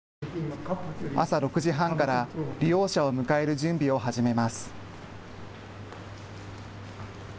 朝６時半から利用者を迎える準備を始めます。